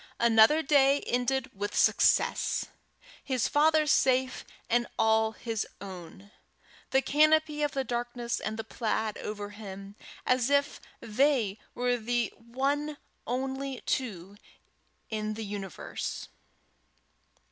another day ended with success! his father safe, and all his own! the canopy of the darkness and the plaid over them, as if they were the only two in the universe!